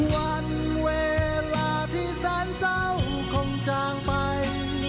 วันเวลาที่แสนเศร้าคงจางไป